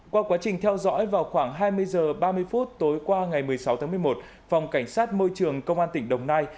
qua quá trình theo dõi vào khoảng hai mươi h ba mươi phút tối qua ngày một mươi sáu tháng một mươi một phòng cảnh sát môi trường công an tỉnh đồng nai